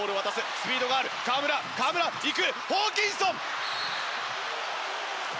スピードがある河村、行く！